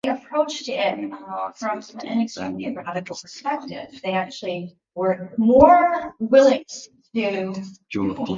Carmine was used in dyeing textiles and in painting since antiquity.